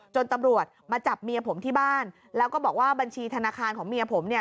ตำรวจมาจับเมียผมที่บ้านแล้วก็บอกว่าบัญชีธนาคารของเมียผมเนี่ย